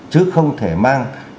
chứ không thể mang